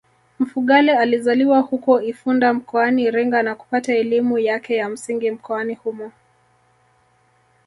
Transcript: Mfugale alizaliwa huko Ifunda mkoani Iringa na kupata elimu yake ya msingi mkoani humo